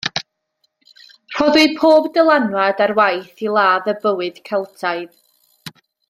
Rhoddwyd pob dylanwad ar waith i ladd y bywyd Celtaidd.